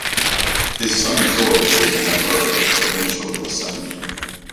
His son George was a member of the provincial assembly.